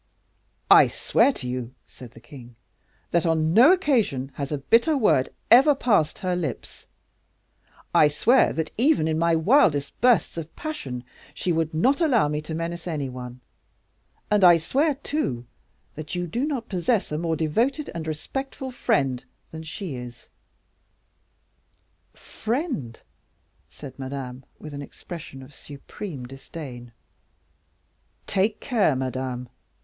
"I swear to you," said the king, "that on no occasion has a bitter word ever passed her lips; I swear that, even in my wildest bursts of passion, she would not allow me to menace any one; and I swear, too, that you do not possess a more devoted and respectful friend than she is." "Friend!" said Madame, with an expression of supreme disdain. "Take care, Madame!"